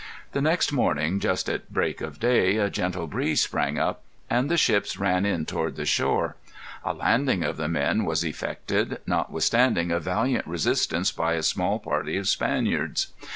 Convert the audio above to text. The next morning, just at break of day, a gentle breeze sprang up, and the ships ran in toward the shore. A landing of the men was effected, notwithstanding a valiant resistance by a small party of Spaniards.